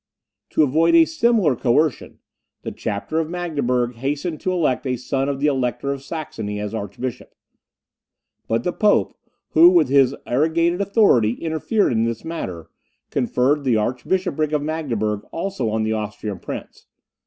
To avoid a similar coercion, the Chapter of Magdeburg hastened to elect a son of the Elector of Saxony as archbishop. But the pope, who with his arrogated authority interfered in this matter, conferred the Archbishopric of Magdeburg also on the Austrian prince.